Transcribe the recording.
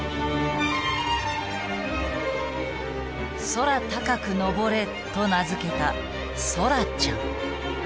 「空高く登れ」と名付けたソラちゃん。